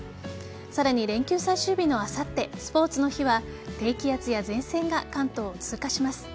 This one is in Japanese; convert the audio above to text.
さらに連休最終日のあさってスポーツの日は低気圧や前線が関東を通過します。